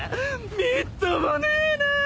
みっともねえなぁ！